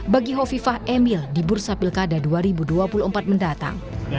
bagi hovifah emil di bursa pilkada dua ribu dua puluh empat mendatang